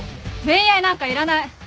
恋愛なんかいらない！